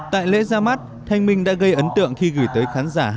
tại lễ ra mắt thanh minh đã gây ấn tượng khi gửi tới khán giả